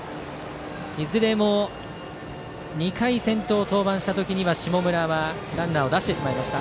いずれも２回先頭で登板した時には下村はランナーを出してしまいました。